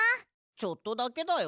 ちょっとだけだよ。